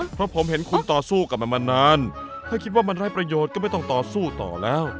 เพราะผมเห็นคุณต่อสู้กับมันมานานถ้าคิดว่ามันไร้ประโยชน์ก็ไม่ต้องต่อสู้ต่อแล้ว